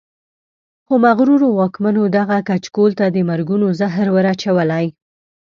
خو مغرورو واکمنو دغه کچکول ته د مرګونو زهر ور اچولي.